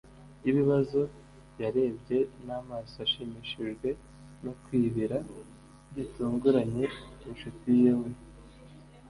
y'ibibazo. yarebye n'amaso ashimishijwe no kwibira gitunguranye inshuti ye. we